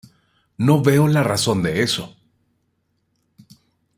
No veo la razón de eso.